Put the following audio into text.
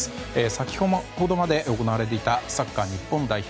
先ほどまで行われていたサッカー日本代表